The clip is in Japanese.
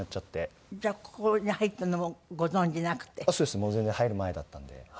もう全然入る前だったので。